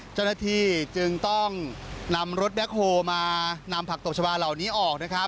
เจ้าหน้าที่จึงต้องนำรถแบ็คโฮลมานำผักตบชาวาเหล่านี้ออกนะครับ